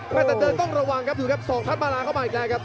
แต่เดินต้องระวังครับดูครับสองพัดบาลาเข้ามาอีกแล้วครับ